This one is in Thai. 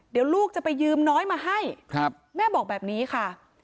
เดี๋ยวลูกจะไปยืมน้อยมาให้แม่บอกแบบนี้ค่ะ